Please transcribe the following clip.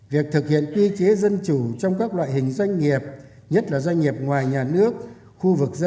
việc thực hiện quy chế dân chủ trong các loại hình doanh nghiệp nhất là doanh nghiệp ngoài nhà nước khu vực doanh